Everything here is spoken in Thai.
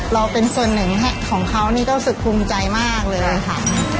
เราเป็นส่วนหนึ่งของเขานี่ก็รู้สึกภูมิใจมากเลยค่ะ